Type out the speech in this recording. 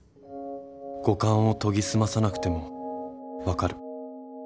五感を研ぎ澄まさなくてもわかる。